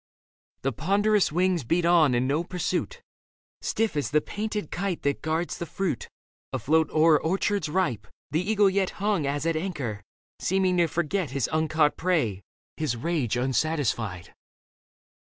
The ponderous wings beat on and no pursuit : Stiff as the painted kite that guards the fruit. Afloat o'er orchards ripe, the eagle yet Hung as at anchor, seeming to forget His uncaught prey, his rage unsatisfied.